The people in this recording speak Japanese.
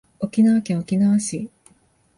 沖縄県沖縄市